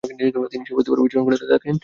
তিনি স্বীয় প্রতিভার বিচ্ছুরণ ঘটাতে থাকেন।